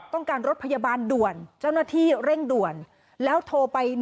รถพยาบาลด่วนเจ้าหน้าที่เร่งด่วนแล้วโทรไป